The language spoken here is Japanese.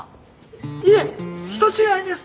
いえ人違いです。